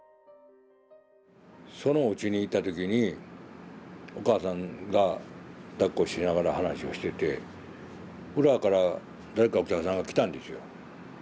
そのおうちに行った時にお母さんがだっこしながら話をしてて裏から誰かお客さんが来たんですよ。